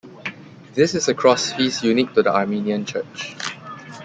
This is a cross feast unique to the Armenian Church.